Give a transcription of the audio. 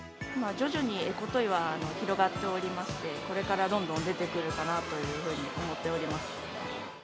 徐々にエコトイは広がっておりまして、これからどんどん出てくるかなというふうに思っております。